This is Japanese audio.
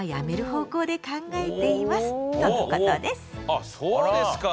あそうですか！